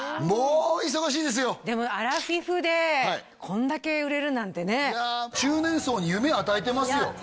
もう忙しいですよでもアラフィフでこんだけ売れるなんてねいや中年層に夢を与えてますよ